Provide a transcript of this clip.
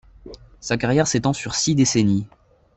Sa carrière s'étend sur six décennies.